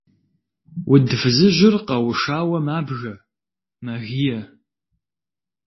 Уд фызыжьыр къэушауэ мабгэ, мэгие.